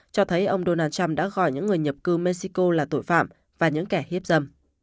cho thấy ông donald trump đã gọi những người nhập cư mexico là tội phạm và những kẻ hiếp dâm